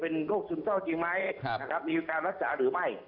เป็นโรคศึกเจ้าจริงไหมมีการรักษาหรือไม่